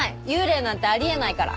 幽霊なんてあり得ないから。